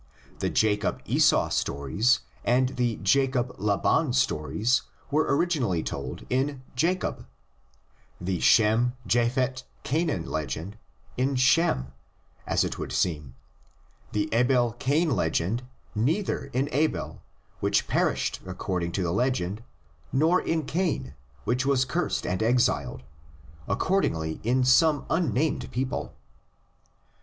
The Jacob Esau stories and the Jacob Laban stories were orig inally told in "Jacob"; the Shem Japhet Canaan legend in "Shem," as it would seem; the Abel Cain legend neither in Abel, which perished according to the legend, nor in Cain, which was cursed and exiled; accordingly in some unnamed people.